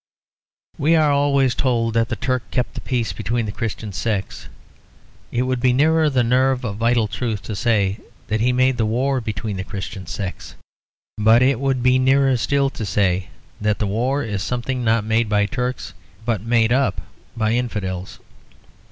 We are always told that the Turk kept the peace between the Christian sects. It would be nearer the nerve of vital truth to say that he made the war between the Christian sects. But it would be nearer still to say that the war is something not made by Turks but made up by infidels.